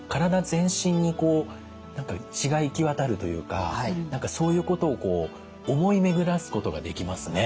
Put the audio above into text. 全身にこう血が行き渡るというか何かそういうことをこう思い巡らすことができますね。